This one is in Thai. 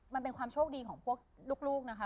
มันเป็นความโชคดีของพวกลูกนะคะ